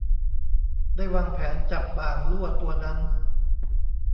ได้วางแผนจับบ่างลั่วตัวนั้น